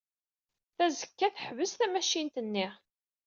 Tazekka teḥbes tamacint-nni.